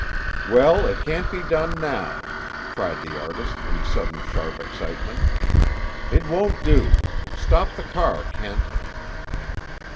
"Well, it can't be done now," cried the artist in sudden sharp excitement. "It won't do. Stop the car, Kent!"